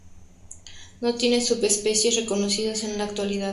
No tiene subespecies reconocidas en la actualidad.